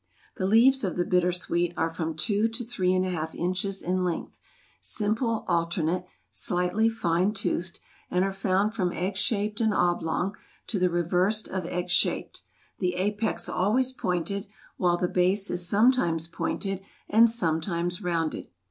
The leaves of the Bittersweet are from two to three and a half inches in length, simple alternate, slightly fine toothed, and are found from egg shaped and oblong to the reversed of egg shaped, the apex always pointed, while the base is sometimes pointed and sometimes rounded.